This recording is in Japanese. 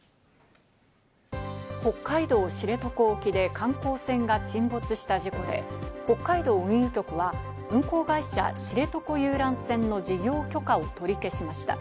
北海道・知床沖で観光船が沈没した事故で、北海道運輸局は運航会社・知床遊覧船の事業許可を取り消しました。